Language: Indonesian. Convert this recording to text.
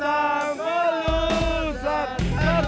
datang ke loser